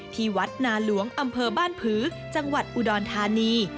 ที่วัดนาหลวงอำเภอบ้านผือจังหวัดอุดรธานี